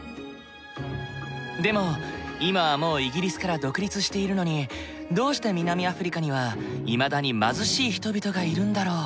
でも今はもうイギリスから独立しているのにどうして南アフリカにはいまだに貧しい人々がいるんだろう？